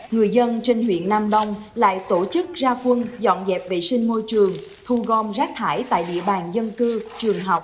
người dân trên huyện nam đông lại tổ chức ra quân dọn dẹp vệ sinh môi trường thu gom rác thải tại địa bàn dân cư trường học